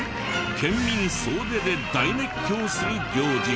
県民総出で大熱狂する行事が。